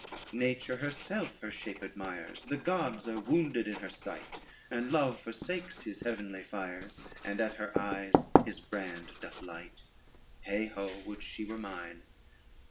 Nature herself her shape admires, The gods are wounded in her sight, And Love forsakes his heavenly fires And at her eyes his brand doth light: Heigh ho, would she were mine.